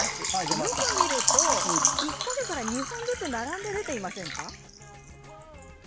よく見ると１か所から２本ずつ並んで出ていませんか？